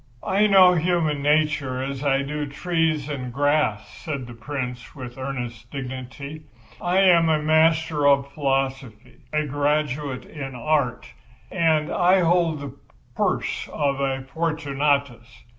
"I know human nature as I do the trees and grass," said the Prince, with earnest dignity. "I am a master of philosophy, a graduate in art, and I hold the purse of a Fortunatus.